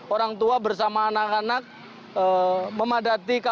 orang tua bersama anak anak memadati kamar